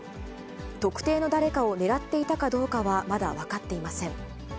特定の誰かを狙っていたかどうかはまだ分かっていません。